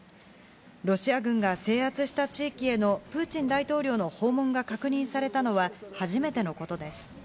ロシア軍が制圧した地域へのプーチン大統領の訪問が確認されたのは初めてのことです。